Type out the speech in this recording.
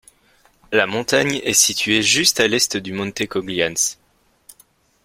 La montagne est située juste à l'est du monte Coglians.